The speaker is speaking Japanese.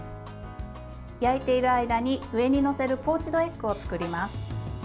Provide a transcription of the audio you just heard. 焼いている間に、上に載せるポーチドエッグを作ります。